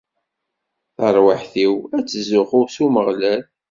Tarwiḥt-iw ad tzuxx s Umeɣlal!